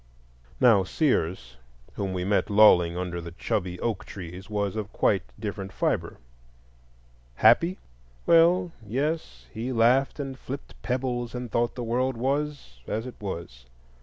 Now Sears, whom we met next lolling under the chubby oak trees, was of quite different fibre. Happy?—Well, yes; he laughed and flipped pebbles, and thought the world was as it was.